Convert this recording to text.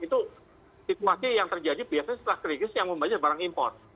itu situasi yang terjadi biasanya setelah krisis yang membayar barang import